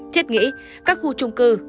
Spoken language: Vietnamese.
thiết nghĩ các khu trung cư